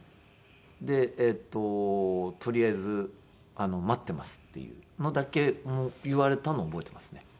えっと「とりあえず待ってます」っていうのだけ言われたのを覚えてますね。